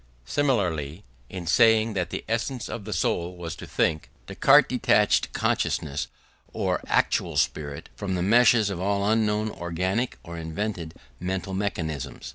Similarly, in saying that the essence of the soul was to think, Descartes detached consciousness, or actual spirit, from the meshes of all unknown organic or invented mental mechanisms.